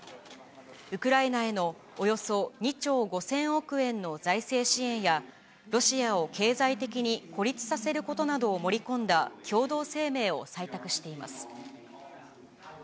ウクライナへのおよそ２兆５０００億円の財政支援や、ロシアを経済的に孤立させることなどを盛り込んだ共同声明を採択しています。